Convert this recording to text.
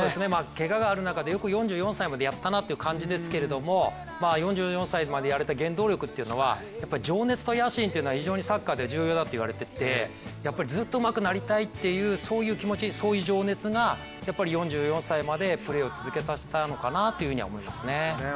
けががある中で、よく４４歳までやったなという感じですけど４４歳までやれた原動力っていうのはやっぱり情熱と野心というのはサッカーで重要だといわれててずっとうまくなりたいという気持ち、そういう情熱が、４４歳までプレーを続けさせたのかなというふうには思いますね。